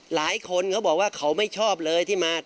หลายคนเขาบอกว่าเขาไม่ชอบเลยที่มา